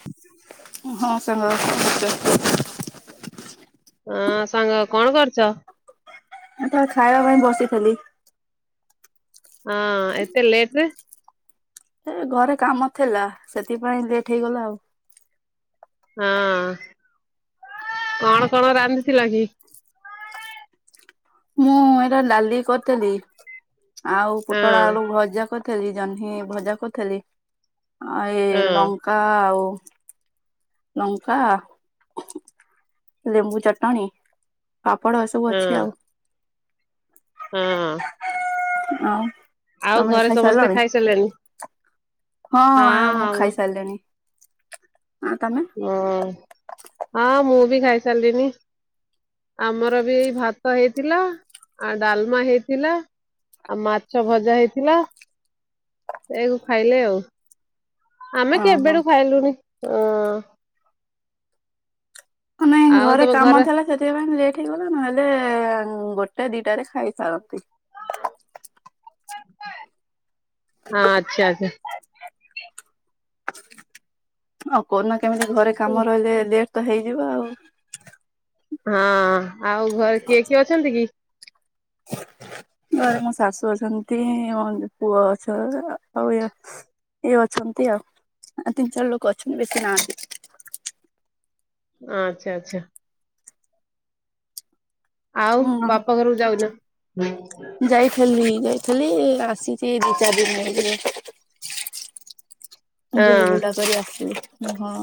ହଁ। [unintelligible] ହଁ ସାଙ୍ଗ କଣ କରୁଛ? ଏ ତ ଖାଇବା ପାଇଁ ବସିଥିଲି। ହଁ ଏତେ ଲେଟ ରେ। ଏ ଘରେ କାମ ଥିଲା ସେଥିପାଇଁ ଲେଟ୍ ହେଇଗଲା ଆଉ। ହଁ, କଣ କଣ ରାନ୍ଧିଥିଲ କି? ମୁଁ ଏଇଟା ଲାଲି କରିଥିଲି, ଆଉ ହଁ ପୋଟଳ ଆଳୁ ଭଜା କରିଥି ଥିଲି ଜହ୍ନି ଭଜା କରିଥିଲି। ଆ ହଁ ଏଇ ଲଙ୍କା ଆଉ ଲଙ୍କା, ଲେମ୍ବୁ ଚଟଣି ପାପଡ ଏ ସବୁ ହଁ ଅଛି ଆଉ। ହଁ। [unintelligible] ଆଉ। ଆଉ ତମେ ଘରେ ସମସ୍ତେ ଖାଇସାରିଲଣି ଖାଇସାରିଲେଣି? ହଁ, ଆ ମୁଁ ଖାଇସାରିଲିଣି। ହଁ ତମେ? ହଁ ହଁ, ମୁଁ ବି ଖାଇସାରିଲିନି। ଆମର ବି ଭାତ ହେଇଥିଲା ଆଉ ଡାଲମା ହେଇଥିଲା ଆଉ ମାଛ ଭଜା ହେଇଥିଲା ସେଇକୁ ଖାଇଲେ ଆଉ। ଆମେ ଓହୋ କେବେଠୁ ଖାଇଲୁନି। କ ନାଇ ଆଉ ଘରେ ତମ କାମ ଥିଲା ସେ ସେମାନେ ଲେଟ୍ ହେଇଗଲା ନହେଲେ ଗୋଟେ ଦିଟା ରେ ଖାଇସାରନ୍ତି। ହଁ, ଆଚ୍ଛା ଆଛା। ଆଉ କନା କେମିତି ଘରେ କାମ ରହିଲେ ଲେଟ ତ ହେଇଯିବ ଆଉ। ହଁ ଆଉ ଘରେ କିଏ କିଏ ଅଛନ୍ତି କି? ଘରେ ମୋ ଶାଶୁ ଅଛନ୍ତି, ମୋ ପୁଅ ଅଛ, ଆଉ ଇଏ। ଇଏ ଅଛନ୍ତି ଆଉ ତିନି ଚାରି ଲୋକ ଅଛନ୍ତି ବେଶୀ ନାହାନ୍ତି। ଆଚ୍ଛା ଆଚ୍ଛା। ଆଉ ହୁଁ ବାପା ଘରକୁ ଯାଉନା? ଯାଇଥେଲି ଯାଇଥେଲି ଆସିଛି ଦି ଚାରି ଦିନ ହେଇଯିବ। [unintelligible] ଗୁଲି ଗୁଲା କରି ଆସଲି ହଁ।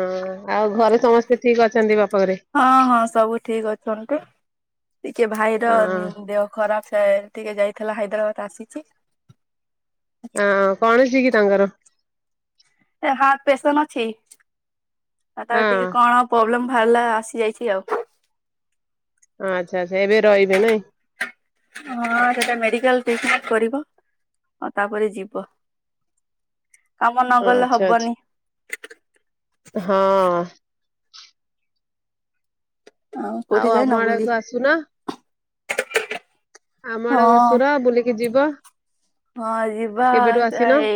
ଓଁ ଆଉ ଘରେ ସମସ୍ତେ ଠିକ ଅଛନ୍ତି ବାପ ଘରେ? ହଁ ହଁ, ସବୁ ଠିକ ଅଛନ୍ତି ଟିକେ ଭାଇର ହଁ ଦେହ ଖରାପ ହେ ଟିକେ ଯାଇଥିଲା ହାଇଦ୍ରାବାଦ ଆସିଛି। ହ କଣ ଅଛି କି ତାଙ୍କର? ଏ ହାର୍ଟ ପେସନ୍ ଅଛି। ଆ ତାର ହଁ ଟିକେ କଣ ପ୍ରୋବ୍ଲେମ ବାହାରିଲା ଆସିଯାଇଛି ଆଉ। ଆଚ୍ଛା ଆଚଛା ଏବେ ରଇବେ ନାଇଁ? ହଁ, ସେଟା ମେଡିକାଲ ଟ୍ରିଟମେଣ୍ଟ କରିବ ଆଉ ତାପରେ ଯିବ। [unintelligible] କାମ ନଗଲେ ଆଚ୍ଛା ଆଚ୍ଛା ହବନି। ହଁ। କୋଉଠି ଆଉ ଯାଇନ ଆମ ବୁଲି ଆଡେକୁ ଆସୁନା। ଆମ ଆଡ ହଁ ସୁର ବୁଲିକି ଯିବ। ହଁ ଯିବା କେବେଠୁ ଯ ଆସିନ ଏ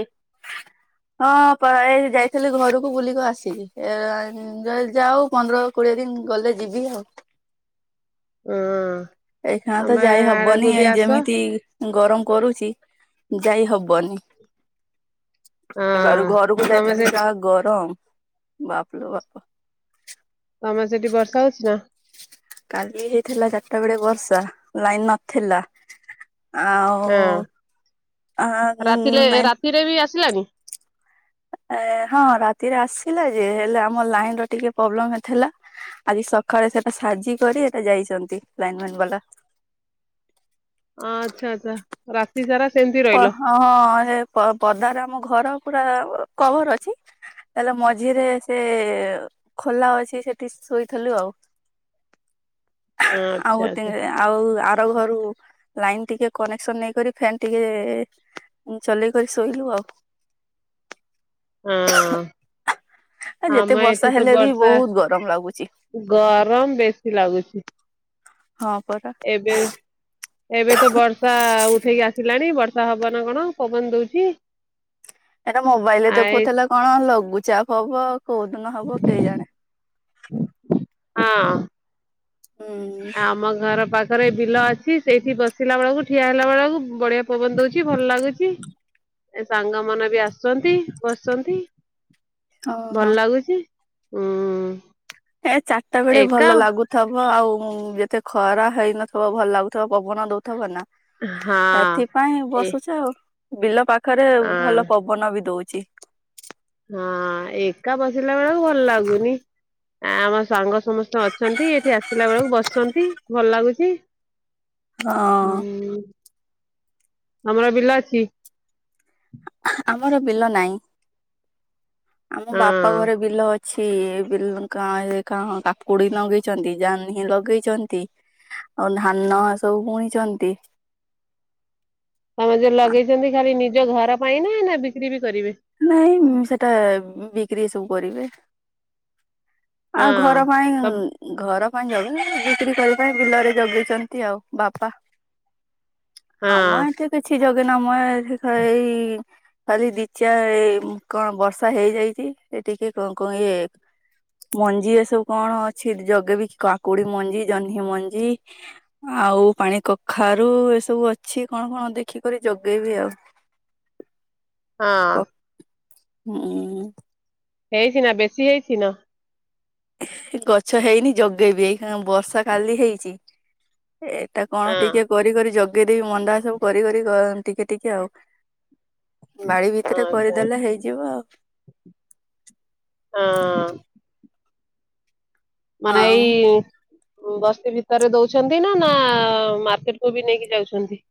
ହଁ ପା ଏ ଯାଇଥିଲି ଘରକୁ ବୁଲିକି ଆସିକି ଇଁ ଯାଉ ପନ୍ଦର କୋଡିଏ ଦିନ ଗଲେ ଯିବି ଆଉ। ହୁଁ। ଏଇଖେଣା ତ ଯାଇ ହବନି ଏ ଯେମିତି ଗରମ କରୁଛି ଯାଇ ହବନି। ଏ ବାରୁ ହଁ ଘରକୁ ତମେ ସେ ଯାଇଥାନ୍ତି ଯାହା ଗରମ ବାପଲ ବାପ। ତମେ ସେଠି ବର୍ଷା ହଉଛି ନା? କାଲି ହେଇଥିଲା ଚାରିଟା ବେଳେ ବର୍ଷା ଲାଇନ ନଥିଲା ହଁ ଆଉ [unintelligible] ନାଇ। କୀରେ ବି ଆସିଲାନି। ଏ ହଁ ରାତିରେ ଆସିଲା ଯେ ହେଲେ ଆମର ଲାଇନ ର ଟିକେ ପ୍ରୋବ୍ଲେମଥିଲା ଆଜି ସକାଳେ ସେଟା ସାଜି କରି ସେଟା ଯାଇଛନ୍ତି ଲାଇନ ମାଇମ୍ ବାଲା। ଅ ଆଚ୍ଛା ଆଚ୍ଛା। ରାତି ସାରା ସେମିତି ଓ ରହିଲ? ହଁ ଏ ପଦାରେ ଆମ ଘର ପୁରା କଭର୍ ଅଛି ତାହେଲେ ମଝିରେ ସେ ଖୋଲା ଅଛି ସେଠି ଶୋଇଥିଲୁ ଆଉ। [inaudible] ଆଉ ଆଚ୍ଛା ଗୋଟେ ଆଚ୍ଛା ଆଉ ଆର ଘରୁ ଲାଇନ୍ ଟିକେ କନେକ୍ସନ ନେଇକରି ଫେନ୍ ଟିକେ ଚଲେଇକରି ଶୋଇଲୁ ଆଉ। ହଁ ଆ ଆମ ଯେତେ ଏଠି ବର୍ଷା ତ ହେଲେ ବି ବର୍ଷା ବହୁତ୍ ଗରମ ଲାଗୁଚି। ଗରମ ବେଶୀ ଲାଗୁଚି। ହଁ ପରା। ଏବେ ଏବେ ତ ବର୍ଷା ଉଠେଇ ଆସିଲାଣି, ବର୍ଷା ହବ ନା କଣ ପବନ ଦଉଚି। ଏଇଟା ମୋବାଇଲ ରେ ଦେଖଉଥିଲା କଣ ଲଘୁଚାପ ହବ କୋଉ ଦିନ ହବ କେଇ ଜାଣି। ହଁ। ହୁଁ ଆମ ଘର ପାଖରେ ବିଲ ଅଛି, ସେଇଠି ବସିଲା ବେଳକୁ ଠିଆ ହେଲା ବେଳକୁ ବଢିଆ ପବନ ଦଉଚି ଭଲ ଲାଗୁଚି। ଏ ସାଙ୍ଗ ମାନେ ବି ଆସିଚନ୍ତି ବସିଚନ୍ତି। ଓହୋ ଭଲ ଲାଗୁଚି। ଉଁ। ଏ ଚାରିଟା ବେଳେ ଭଲ ଲାଗୁ ଥବ ଆଉ ଯେତେ ଖରା ହେଇନଥବ ଭଲ ଲାଗୁଥବ ପବନ ଦଉଥବ ନା। ହଁ ଏଥିପାଇଁ ଏ ବସୁଚ ଆଉ। ବିଲ ପାଖରେ ହଁ ଭଲ ପବନ ବି ଦଉଚି। ହଁ ଏକା ବସିଲା ବେଳକୁ ଭଲ ଲାଗୁନି। ଆମ ସାଙ୍ଗ ସମସ୍ତେ ଅଛନ୍ତି ଏଠି ଆସିଲା ବେଳକୁ ବସିଛନ୍ତି ଭଲ ଲାଗୁଚି। ହଁ ଉଁ, ତମର ବିିଲ ଅଛି? ଆମର ବିଲ ନାହିଁ। ଆମ ହଁ। ବାପା ଘର ବିଲ ଅ ଛି ବି ଗାଁ ରେ କା କାକୁଡି ଲଗେଇଚନ୍ତି ଜହ୍ନି ଲଗେଇଚନ୍ତି। ଆଉ ଧାନ ଏସବୁ ବୁଣିଛନ୍ତି। ତମର ଯଉ ଲଗେଇଛନ୍ତି ଖାଲି ନିଜ ଘର ପାଇଁ ନା ନା ବିକ୍ରି ବି କରିବେ? ନାଇଁ ସେଟା ବିକ୍ରି ସବୁ କରିବେ। ହଁ। ଆଉ ଘର ସବ ପାଇଁ ଘର ପାଇଁ ଲଗେଇନାହାନ୍ତି ବିକ୍ରି କରିବା ପାଇଁ ବିଲରେ ଲଗେଇଛନ୍ତି ଆଉ ବାପା। ହଁ ଆମ ଏଠି କିଛି [unintelligible] ଖାଲି ଦି [unintelligible] ଏ କଣ ବର୍ଷା ହେଇଯାଇଚି ଏ ଟିକେ କଣ କଣ ଇଏ ମଞ୍ଜି ଏସବୁ କଣ ଅଛି ଜଗେଇବେ କି କାକୁଡି ମଞ୍ଜି, ଜହ୍ନି ମଞ୍ଜି ଆଉ ପାଣି କଖାରୁ ଏସବୁ ଅଛି କଣ କଣ ଦେଖିକରି ଜଗେଇବି ଆଉ। ହଁ କ ହୁଁ। ହେଇଚି ନା ବେଶୀ ହେଇଚି ନା? ଗଛ ହେଇନି ଜଗେଇବି। ଏଇ ବର୍ଷା କାଲି ହେଇଚି। ଏଟା କଣ ହଁ। ଟିକେ କରି କରି ଜ ଜଗେଇଦେବି ମନ୍ଦା ସବୁ କରି କରି ଟିକେ ଟିକେ ଆଉ। ବାଡି ଭି ଏଟା ଆଚ୍ଛା କରିଦେଲେ ହେଇଯିବ ଆଉ। ହଁ। ମାନେ ଆଉ ଏଇ ବସ୍ତି ଭିତରେ ଦଉଛନ୍ତି ନା, ନା ମାର୍କେଟକୁୁ ବି ନେଇକି ଯାଉଛନ୍ତି?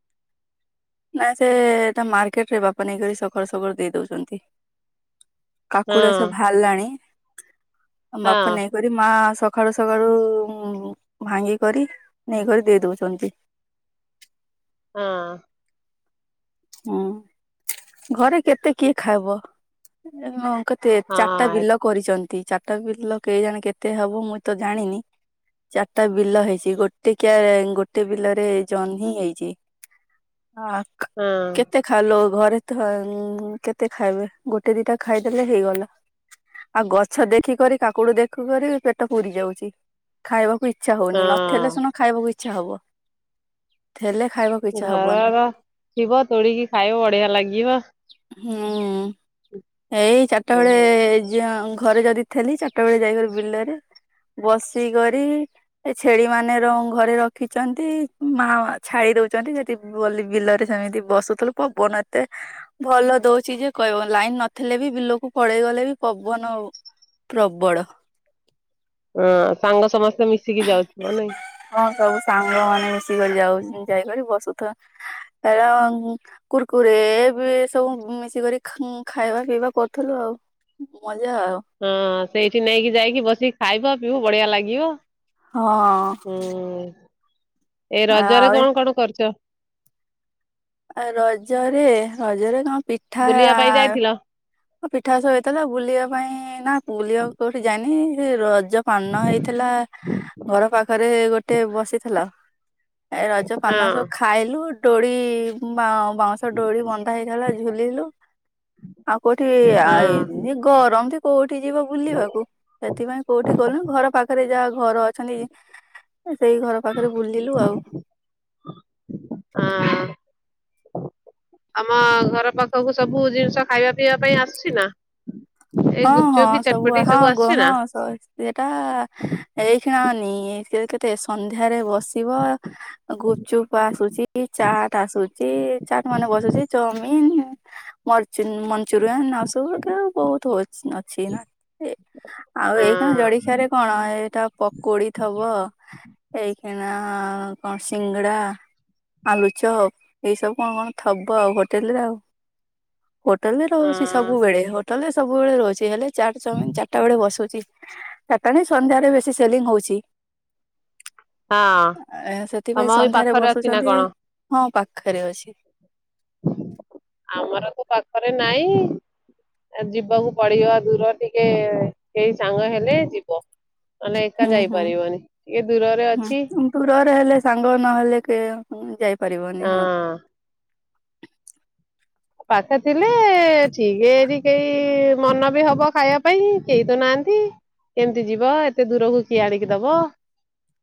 ନା ସେ ଏଟା ମାର୍କେଟରେ ବାପା ନେଇକରି ସକାଳୁ ସକାଳୁ ଦେଇ ଦେଉଛନ୍ତି। କାକୁଡି ଗୁରା ହଁ ସବୁ ବାହାରିଲାଣି। ଆମ ହଁ ବାପା ନେଇ କରି ମା ସକାଳୁ ସକାଳୁ ଭାଙ୍ଗି କରି ନେଇକରି ଦେଇ ଦେଉଚନ୍ତି। ହଁ। ହୁଁ। ଘରେ କେତେ କିଏ ଖାଇବ। [unintelligible] ତେ ଚାଟା ହଁ ବିଲ କରିଚନ୍ତି। ଚାଟା ବିଲ କେଇଜାଣେ କେତେ ହେବ ମୁଁ ତ ଜାଣିନି। ଚାରଟା ବିଲ ହେଇଛି, ଗୋଟେ କିଆରିରେ ଗୋଟେ ବିଲରେ ଜହ୍ନି ହେଇଛି। ହଁ କ୍ ହଁ। ଖାଲୋ ଘରେ ତ ହଁ ଉଁ, କେତେ ଖାଇବେ? ଗୋଟେ ଦିଟା ଖାଇଦେଲେ ହେଇଗଲା। ଆଉ ଗଛ ଦେଖିକରି କାକୁଡି ଦେଖୁ କରି ପେଟ ପୁରି ଯାଉଚି। ଖାଇବାକୁ ଇଚ୍ଛା ହଉନି, ନଥିଲେ ହଁ। ସିନା ଖାଇବାକୁ ଇଚ୍ଛା ହବ। ହେଲେ ଖାଇବା ଘରର ଥିବ ତୋଳିକି ଖାଇବ ବଢିଆ ଲାଗିବ। ହୁଁ, ଏଇ ଚାରଟା ବେଳେ ଓହୋ। ଯ ଉଁ ଘରେ ଯଦି ଥେଲି ଚାରଟା ବେଳେ ଯାଇକରି ବିଲରେ ବସି କରି ଏ ଛେଳି ମାନେ ରଉଁ ଘରେ ରଖିଚନ୍ତି ଉଁ, ମାମା ଛାଡି ଦଉଚନ୍ତି। ସେଠି ବଲି ବିଲରେ ସେମିତି ବସୁ ଥୁଲୁ ପବନ ଏତେ ଭଲ ଦଉଛି ଯେ କଇହବନି, ଲାଇନ୍ ନଥିଲେ ବି ବିଲକୁ ପଳେଇଗଲେ ବି ପବନ ଉ ପ୍ରବଳ। ଅଁ, ସାଙ୍ଗ ସମସ୍ତେ ମିଶିକି ଯାଉଥିବ ନାଇଁ? ହଁ ସବୁ ସାଙ୍ଗ ମାନେ ମିଶିକରି ଯାଉ। ଉଁ, ଯାଇକରି ବସୁଥୁବା। [inaudible] କୁରକୁରେ ବି ସବୁ ମିଶିକରି ଖାଗଁ ଖାଇବା ପିଇବା କରୁଥୁଲୁ ଆଉ। ମଜା ଆଉ। ହଁ ସେଇଠି ନେଇକି ଯାଇକି ବସିକି ଖାଇବ ପିଇବୁ ବଢିଆ ଲାଗିବ। ହୁଁ। ହଁ। ଏ ରଜରେ ଆଉ ଏ- କଣ କଣ କରୁଚ? ଆ, ରଜରେ ରଜରେ କଣ ପିଠା ବୁଲିବା ପାଇଁ ଆ, ଯାଇଥିଲ? ହଁ ପିଠା ସ- ହେଇଥିଲା ବୁଲିବା ପାଇଁ ନା ବୁଲିବାକୁ କୋଉଠି ଯାଇନି, ସେ ର ଜ ପାନ ହେଇଥିଲା ଘର ପାଖରେ ଗୋଟେ ବସିଥିଲା। ଏ ରଜ ପାନ ସବୁ ହଁ ଖାଇଲୁ, ଡୋଳି ମାଅ ବାଉଁଶ ଡୋଳି ବନ୍ଧା ହେଇଥିଲା ଝୁଲିଲୁ। ଆଉ କୋଉଠି ହଁ ଆଇ ଏ ଗରମ ଯେ କୋଉଠି ଯିବ ବୁଲିବାକୁ। ସେଥିପାଇଁ କୋଉଠି ଗଲୁନି, ଘର ପା ଖରେ ଯା ଘର ଅଛନ୍ତି, ଏ ସେଇ ଘର ପାଖରେ ବୁଲିଲୁ ଆଉ। ହଁ। ଆମ ଘର ପାଖକୁ ସବୁ ଜିନିଷ ଖାଇବା ପିଇବା ପାଇଁ ଆସୁଛି ନା? ଏଇ ହଁ, ଗୁପଚୁପ ହଁ କି ସବୁ ଚଟପଟି ଆ- ହଁ ଗୋ ଆସୁଛି ନା? ହଁ ସଏ ଏଟା ଏଇକ୍ଷଣା ନିଏ ସେ କେତେ ସନ୍ଧ୍ୟାରେ ବସିବ ଅ, ଗୁପଚୁପ୍ ଆସୁଛି, ଚାଟ୍ ଆସୁଚି, ଚାଟ୍ ମାନେ ବସୁଛି। ଚଉମିିନ୍ ମରଚୁନ୍ ମଞ୍ଚୁରିଆନ ଆଉ ସବୁ ପ୍ରକାର ବହୁତ ହଉ ଛି, ଅଛିନା ଏ ଆଉ ହଁ ଏଇକ୍ଷଣା ଜଡିଖିଆରେ କଣ ଏଇଟା ପକୁଡି ଥବ, ଏଇଖିଣା କଣ ସିଙ୍ଗଡା ଆଲୁଚପ୍ ଏଇ ସବୁ କଣ କଣ ଥବ ଆଉ ହୋଟେଲ୍ ରେ ଆଉ। ହୋଟଲ୍ ରେ ହଁ ରହୁଛି ସବୁବେଳେ, ହୋଟଲ୍ ରେ ସବୁବେଳେ ରହୁଛି। ହେଲେ ଚାଟ୍ ଚାଉମିିନ୍ ଚାରଟା ବେଳେ ବସୁଚି। ଚାଟା ନାଇଁ ସନ୍ଧ୍ୟାରେ ବେଶୀ ସେଲିଙ୍ଗ ହଉଛି। ହଁ ଏ ତମ ସେଥିପାଇଁ ଏଇ ସନ୍ଧ୍ୟାରେ ପାଖରେ ଅଛି ନା ବସୁଛନ୍ତି, କଣ? ହଁ ପାଖରେ ଅଛି। ଆମର ତ ପାଖରେ ନାଇଁ। ଏ ଯିବାକୁ ପଡିବ ଦୂର ଟିକେ କେଇ ସାଙ୍ଗ ହେଲେ ଯିବ। ମାନେ ଏକା ହୁଁ ହୁଁ ଯାଇପାରିବନି। ଟିକେ ଦୂରରେ ଅଛି। ହୁଁ ଦୂରରେ ହେଲେ ସାଙ୍ଗ ନହେଲେ କେ ଉଁ, ଯାଇପାରିବନି, ହଁ। ପାଖେ ଥିଲେ ଠିକ୍। ଏଇଠି କେଇ ମନ ବି ହବ ଖାଇବା ପାଇଁ କେଇ ତ ନାହାନ୍ତି। କେମିତି ଯିବ ଏତେ ଦୂରକୁ କିଏ ଆଣିକି ଦବ।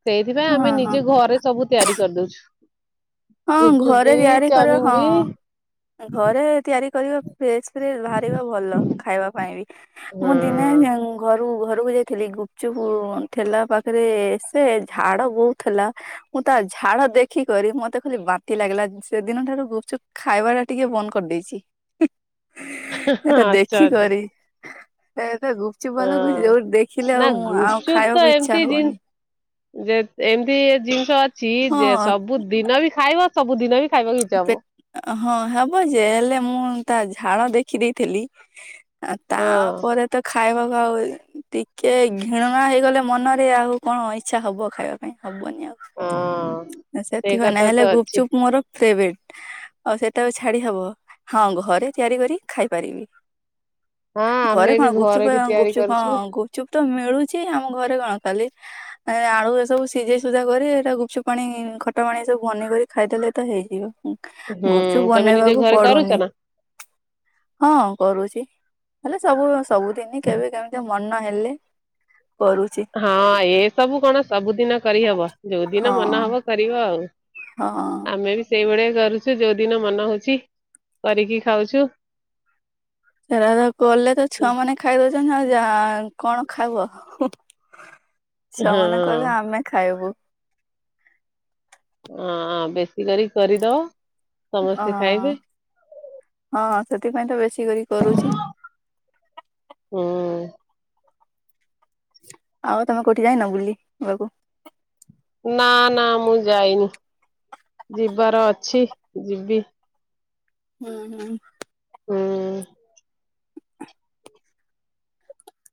ସେଇଥିପାଇଁ ହଁ ଆମେ ହଁ ନିଜେ ଘରେ ସବୁ ତିଆରି କରିଦଉଛୁ। ହଁ ଗୁପଚୁପ ଘରେ ବି ତିଆରି କରିବ ଚାଉମିନ ହଁ। ବି ଆଁ, ଘରେ ତିଆରି କରିବ ଫ୍ରେସ୍ ଫ୍ରେସ୍ ଭାରିବ ଭଲ ଖାଇବା ପାଇଁ ବି। ହଁ ମୁଁ ଦିନେ ନା ଉଁ ଘରୁ ଘରକୁ ଯାଇଥିଲି ଗୁପଚୁପ ଠେଲା ପାଖେରେ ସେ ଝାଡ ବୋଉ ଥେଲା ମୁଁ ତା ଝାଳ ଦେଖିକରି ମତେ ଖାଲି ବାତି ଲାଗିଲା ସେଦିନ ଠାରୁ ଗୁପଚୁପ ଖାଇବାଟା ଟିକେ ବନ୍ଦ କରିଦେଇଚି। ଏଟା ଆଚ୍ଛା ଆଚ୍ଛା। ଦେଖିକରି ଏ ଗୁପ୍ ଚୁ ହଁ ବାଲାକୁ ଯୋଉଠି ଦେଖିଲେ ନା ଆଉଁ ଆଉ ଗୁପଚୁପ ତ ଖାଇବାକୁ ଇଚ୍ଛା ଏମିତି ଜିନିଷ ହଉନି। ଯେ ଏମ୍ତି ଆ ଜିନିଷ ଅଛି ଯେ ହଁ ସବୁ ଦିନ ବି ଖାଇବ ସବୁଦିନ ବି ଖାଇବାକୁ ଇଚା ହବ। ଅଁ ହଁ ହବ ଯେ ହେଲେ ମୁଁ ତା ଝାଳ ଦେଖି ଦେଇଥିଲି। ଆ ହଁ ତାପରେ ତ ଖାଇବାକୁ ଆଉ ଟିକେ ଘିଣଣା ହେଇଗଲେ ମନରେ ଆଉ କଣ ଇଚ୍ଛା ହବ ଖାଇବା ପାଇଁ ହବନି ଆଉ। ହଁ ସେଇ ସେଥିପାଇଁ ନା କଥା ତ ହେଲେ ଅଛି। ଗୁପଚୁପ୍ ମୋର ଫ୍ରେବ୍ରେଟ୍। ଆଉ ସେଇଟାକୁ ଛାଡି ହବ ହଁ ଘରେ ତିଆରି କରି ଖାଇପାରିବି। ହଁ ଘରେ ଆମେ କଣ ବି ଗୁପଚୁପ୍ ଘରେ ବି ଅଁ ତିଆରି ଗୁପଚୁପ୍ କରୁଛୁ ହଁ ଗୁପଚୁପ୍ ତ ମିଳୁଚି ଆମ ଘରେ କଣ ଖାଲି ଏଁ ଆଳୁରେ ସବୁ ସିଝେଇ ସୁଝା କରି ଏଟା ଗୁପଚୁପ୍ ପାଣି ଖଟା ପାଣି ଏସବୁ ବନେଇ କରି ଖାଇଦେଲେ ତ ହେଇଯିବ ହୁଁ ଗୁପ୍ଚୁପ୍ ତମେ ନିଜେ ବନେଇବାକୁ ଘରେ କରୁଛ ପଡୁନି। ନା? ହଁ କରୁଚି ହେଲେ ସବୁ ସବୁଦିନି କେବେ କେମ୍ତି ମନ ହେଲେ କରୁ ହଁ ଏସବୁ କଣ ସବୁଦିନ କରିହବ ଯୋଉ ଦିନ ହଁ ମନ ହବ କରିବ ଆଉ। ହଁ ଆମେ ବି ସେଇଭଳିଆ କରୁଚୁ ଯୋଉ ଦିନ ମନ ହଉଚି କରିକି ଖାଉଚୁ। ହେରା କଲେ ତ ଛୁଆମାନେ ଖାଇଦଉଚନ୍ତି ଆଉ ଯା କଣ ଖାଇବ। [inaudible] ହଁ ଛୁଆମାନେ କହିବେ ଆମେ ଖାଇବୁ। ଅଁ ବେଶୀ କରିକି କରିଦବ। ହଁ ସମସ୍ତେ ଖାଇବେ। ହଁ ସେଥିପାଇଁ ତ ବେଶୀ କରି କରୁଛି। ହୁଁ। ଆଉ ତମେ କୋଉଠି ଯାଇନ ବୁଲିି ବାକୁ। ନା ନା ମୁଁ ଯାଇନି ଯିବାର ଅଛି ଯିବି। ହୁଁ ହୁଁ। ହୁଁ।